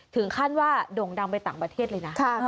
ถึงขั้นว่าโด่งดังไปต่างประเทศเลยนะ